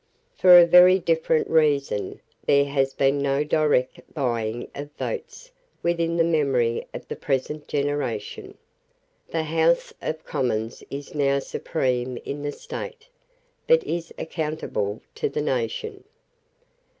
For a very different reason there has been no direct buying of votes within the memory of the present generation. The House of Commons is now supreme in the State, but is accountable to the nation.